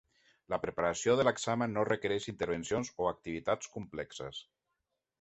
La preparació de l'examen no requereix intervencions o activitats complexes.